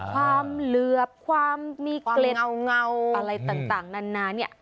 ความเหลือบความมีเกล็ดอะไรต่างนานนี่